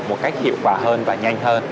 một cách hiệu quả hơn và nhanh hơn